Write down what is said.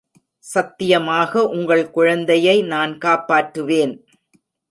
சத்தியமாக உங்கள் குழந்தையை நான் காப்பாற்றுவேன்.